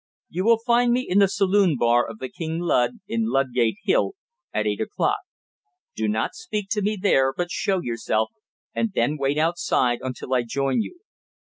You will find me in the saloon bar of the King Lud, in Ludgate Hill, at eight o'clock. Do not speak to me there, but show yourself, and then wait outside until I join you.